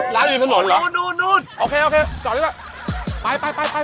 ร้านนี่ทางหน่อยเหรอนู้นนู้นนู้นโอเคโอเคต่อดีกว่าไปไปไป